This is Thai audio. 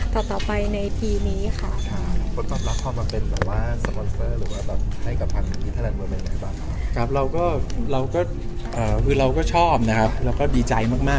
เต่าป่ะไปในปีนี้ค่ะค่ะท่านควรรับพอมาเป็นแต่ว่า